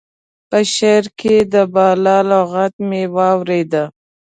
په شعر کې د بالا لغت مې واورېد.